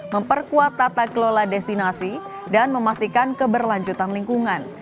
memperkuat tata kelola destinasi dan memastikan keberlanjutan lingkungan